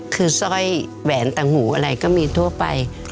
คือสร้อยแหวนต่างหูอะไรก็มีทั่วไป